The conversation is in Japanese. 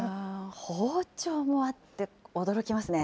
包丁もあって、驚きますね。